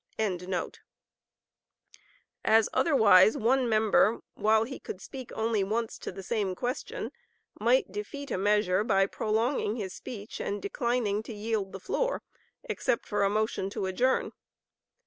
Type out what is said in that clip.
] as otherwise one member, while he could speak only once to the same question, might defeat a measure by prolonging his speech and declining to yield the floor except for a motion to adjourn.